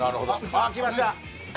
あっ来ました。